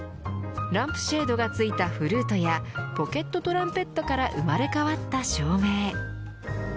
ランプシェードが付いたフルートやポケットトランペットから生まれ変わった照明。